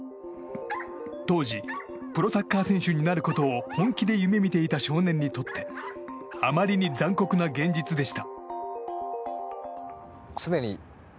当時プロサッカー選手になることを本気で夢見ていた少年にとってあまりに残酷な現実でした。